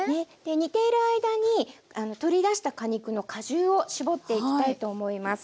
煮ている間に取り出した果肉の果汁を搾っていきたいと思います。